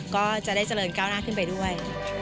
ก็จะได้เจริญก้าวหน้าขึ้นไปด้วย